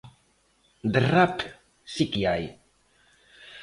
De rap si que hai.